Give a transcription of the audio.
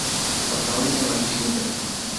Kwa kawaida walishinda.